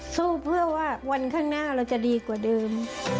สู้เพื่อว่าวันข้างหน้าเราจะดีกว่าเดิม